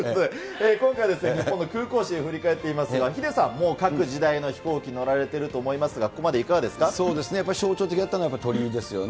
今回はですね、日本の空港史を振り返っていますが、ヒデさん、もう各時代の飛行機、乗られていると思いますが、ここまでいかがそうですね、やっぱり象徴的だったのは、鳥居ですよね。